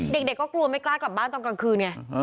เด็กก็กลัวไม่กล้ากลับบ้านตอนกลางคืนไง